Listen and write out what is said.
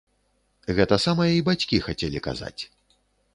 Гэта самае й бацькі хацелі казаць.